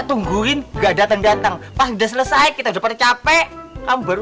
tungguin gak datang datang pas udah selesai kita udah pasti capek kamu baru